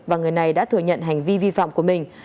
và người này đã thừa nhận hành vi vi phạm của mình